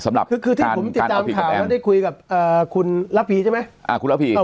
สำหรับคือคือที่ผมติดตามข่าวแล้วได้คุยกับอ่าคุณลัพพีใช่ไหมอ่า